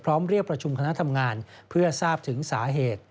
เรียกประชุมคณะทำงานเพื่อทราบถึงสาเหตุ